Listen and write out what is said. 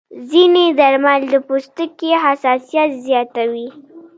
ځینې درمل د پوستکي حساسیت زیاتوي.